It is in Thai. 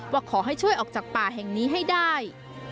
ว่าขอให้ช่วยออกจากป่าแห่งนี้ให้ได้